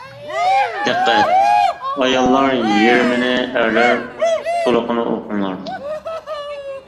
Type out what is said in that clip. دىققەت : ئاياللار يېرىمىنى، ئەرلەر تولۇقىنى ئوقۇڭلار!